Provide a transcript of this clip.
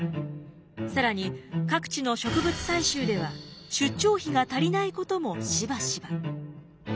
更に各地の植物採集では出張費が足りないこともしばしば。